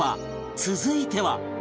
続いては